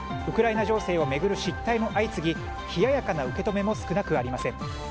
ウクライナ情勢を巡る失態も相次ぎ冷ややかな受け止めも少なくありません。